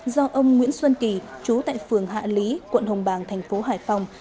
do ông nguyễn xuân kỳ chú tại phường hạ lý quận hồng bàng thành phố hải phòng